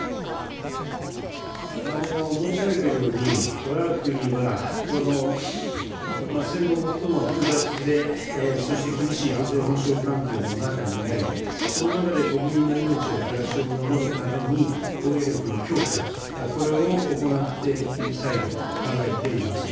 申し上げているように、わが国はこの、戦後最も複雑で、そして厳しい安全保障環境の中にあり、その中で国民の命や暮らしを守るために、防衛力の強化、これを行っていきたいと考えています。